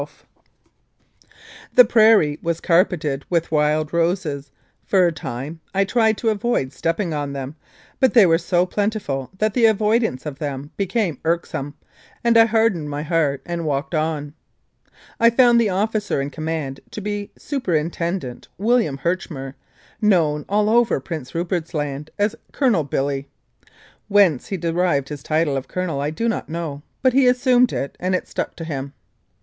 Mounted Police Life in Canada The prairie was carpeted with wild roses, and for a time I tried to avoid stepping on them, but they were so plentiful that the avoidance of them became irksome, and I hardened my heart and walked on. I found the officer in command to be Superintendent William Herchmer, known all over Prince Rupert's Land as "Colonel Billy." Whence he derived his title of " Colonel " I do not know, but he assumed it and it stuck to him.